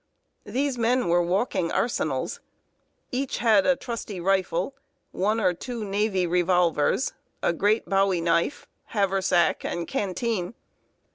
These men were walking arsenals. Each had a trusty rifle, one or two navy revolvers, a great bowie knife, haversack, and canteen.